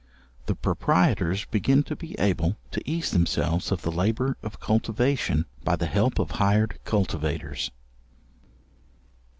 The proprietors begin to be able to ease themselves of the labour of cultivation, by the help of hired cultivators.